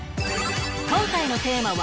今回のテーマは